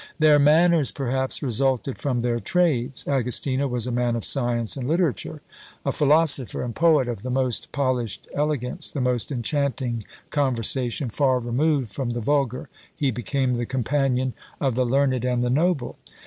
Their manners, perhaps, resulted from their trades. Agostino was a man of science and literature: a philosopher and poet of the most polished elegance, the most enchanting conversation, far removed from the vulgar, he became the companion of the learned and the noble.